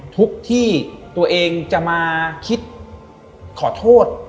ทุกข์ที่ตัวเองจะมาคิดขอโทษ